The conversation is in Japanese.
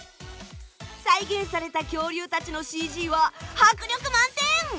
再現された恐竜たちのＣＧは迫力満点！